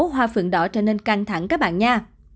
thành phố hoa phượng đỏ trở nên căng thẳng các bạn nha